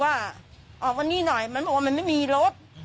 ว่าออกงานิ่งหน่อยไม่มีรถ